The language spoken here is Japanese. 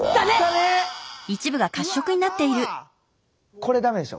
これ駄目でしょ。